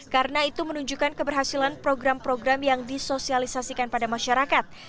karena itu menunjukkan keberhasilan program program yang disosialisasikan pada masyarakat